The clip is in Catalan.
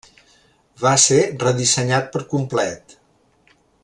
Va ser redissenyat per complet.